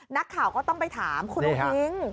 นักข่าวก็ต้องไปถามคุณอุ้ง